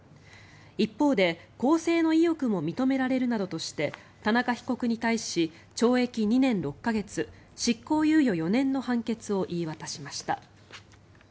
一方で、更生の意欲も認められるなどとして田中被告に対し懲役２年６か月執行猶予４年の判決を言い渡しました。